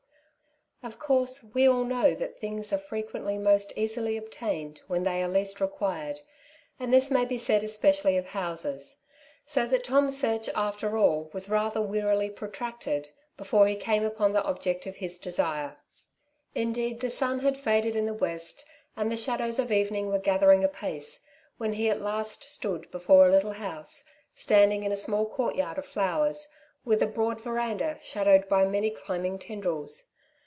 Of course we all know that things are frequently % Flitting. 79 most easily obtained when they are least required, and this may be said especially of houses ; so that Tom^s search after all was rather wearily protracted before he came upon the object of his desire. Indeed the sun had faded in the west, and the shadows of evening were gathering apace, when he at last stood before a little house, standing in a small courtyard of flowers, with a broad verandah, shadowed by many climbing tendrils.